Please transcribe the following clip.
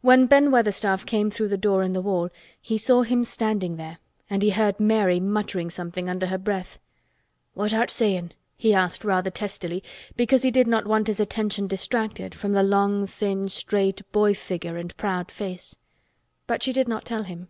When Ben Weatherstaff came through the door in the wall he saw him standing there and he heard Mary muttering something under her breath. "What art sayin'?" he asked rather testily because he did not want his attention distracted from the long thin straight boy figure and proud face. But she did not tell him.